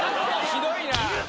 ひどいな。